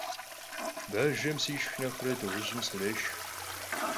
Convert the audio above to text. Bajjem sişşx nexhre dığujım srêşşx.